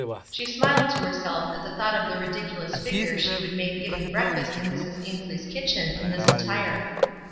She smiled t<s herself at the thought of the ridiculous figure she would make getting breakfast in Mrs. Ains lie's kitchen in this attire.